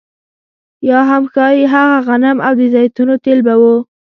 یا هم ښايي هغه غنم او د زیتونو تېل به وو